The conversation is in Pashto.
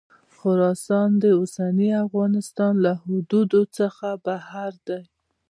خراسان د اوسني افغانستان له حدودو څخه بهر دی.